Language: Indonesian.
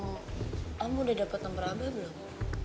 om udah dapat nomor abah belum